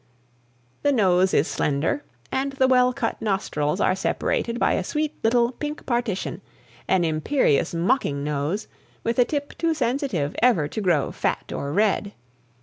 The nose is slender, and the well cut nostrils are separated by a sweet little pink partition an imperious, mocking nose, with a tip too sensitive ever to grow fat or red.